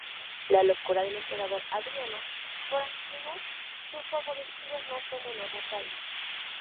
La locura del emperador Adriano por Antínoo su favorecido, no fue menos notable.